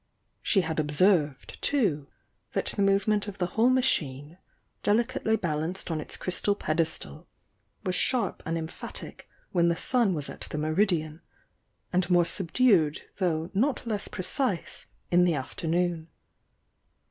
She had observed, too, that the movement of the whole machine, delicately balanced on its crystal pedestal, was sharp and emphatic when the sun was at the meridian, and more subdued though not less precise in the afternoon.